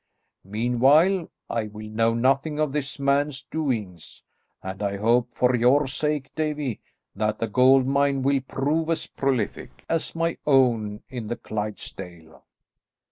Meanwhile, I will know nothing of this man's doings, and I hope for your sake, Davie, that the gold mine will prove as prolific as my own in the Clydesdale."